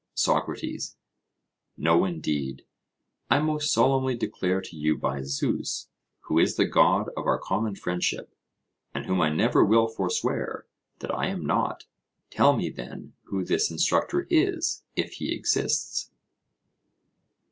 SOCRATES: No, indeed; I most solemnly declare to you by Zeus, who is the God of our common friendship, and whom I never will forswear, that I am not; tell me, then, who this instructor is, if he exists.